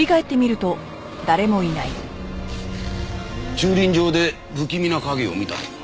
駐輪場で不気味な影を見たとか。